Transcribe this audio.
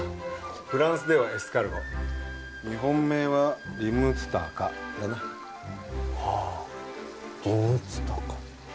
フランスではエスカルゴ日本名はリムツタカだなはあリムツタカ